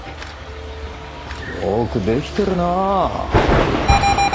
よく出来てるなあ。